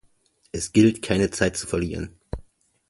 Es gilt keine Zeit zu verlieren!